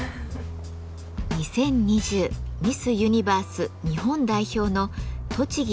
２０２０ミス・ユニバース日本代表の杤木愛シャ暖望さん。